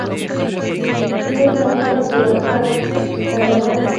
خپل زکات او صدقات په وخت ورکړئ.